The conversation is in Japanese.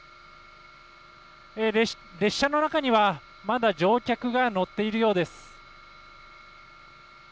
列車の中にはまだ乗客が乗っているようです。